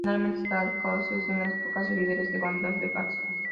Originaria de Seattle, Coss es una de las pocas líderes de bandas de jazz.